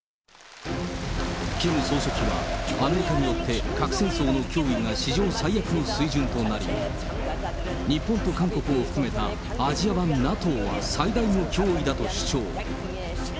キム総書記はアメリカによって核戦争の脅威が史上最悪の水準となり、日本と韓国を含めたアジア版ＮＡＴＯは最大の脅威だと主張。